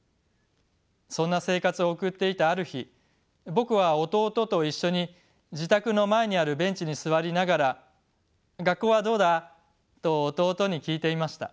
そんな生活を送っていたある日僕は弟と一緒に自宅の前にあるベンチに座りながら「学校はどうだ？」と弟に聞いていました。